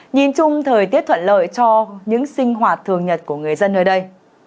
nhìn chung thời tiết thuận lợi cho những sinh hoạt thường nhật của người dân nơi đây